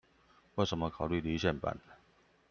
為什麼考慮離線版？